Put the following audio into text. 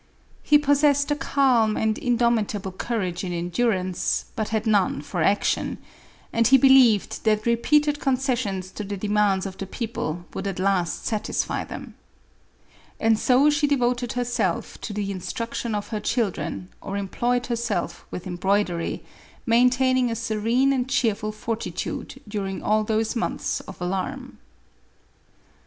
He possessed a calm and indomitable courage in endurance, but had none for action, and he believed that repeated concessions to the demands of the people would at last satisfy them. And so she de voted herself to the instruction of her children, or em ployed herself with embroidery, maintaining a serene and cheerful fortitude daring all those months of alarm.